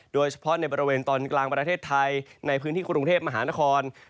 โดยเฉพาะในบริเวณตอนกลางประเทศไทยในพื้นที่กรุงเทพมหานคร